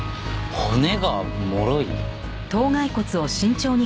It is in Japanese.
骨がもろい？